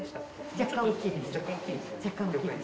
若干大きいです。